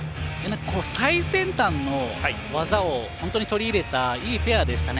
最先端の技を本当に取り入れたいいペアでしたね。